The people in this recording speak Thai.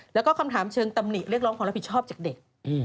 แล้วก็คำถามเชิงตำหนิเรียกร้องความรับผิดชอบจากเด็ก